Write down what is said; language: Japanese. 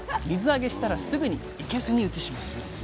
水揚げしたらすぐにいけすに移します。